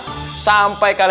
sampai kalian sampai berangkat